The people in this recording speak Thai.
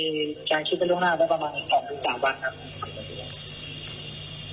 คือจะคลิปไปล่วงหน้าได้ประมาณสองพันสามวันนี่ครับ